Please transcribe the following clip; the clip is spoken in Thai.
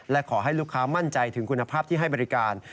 และขอให้ลูกค้ามั่นใจถึงคุณภาพที่ให้บริการ